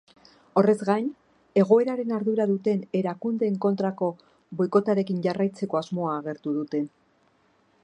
Horrez gain, egoeraren ardura duten erakundeen kontrako boikotarekin jarraitzeko asmoa agertu dute.